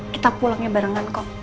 kita pulangnya barengan kok